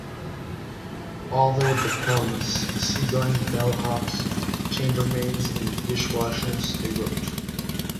All they would become is seagoing bell hops, chambermaids and dishwashers, they wrote.